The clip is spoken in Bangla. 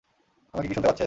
আমাকে কি শুনতে পাছেন?